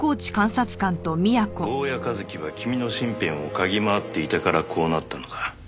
「坊谷一樹は君の身辺を嗅ぎ回っていたからこうなったのだ。